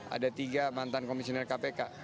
ada tiga mantan komisioner kpk